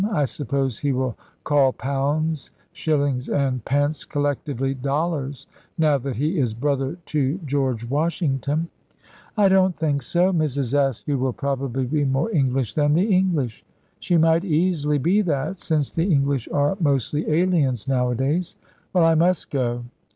I suppose he will call pounds, shillings and pence collectively dollars now that he is brother to George Washington." "I don't think so. Mrs. Askew will probably be more English than the English." "She might easily be that, since the English are mostly aliens nowadays. Well, I must go.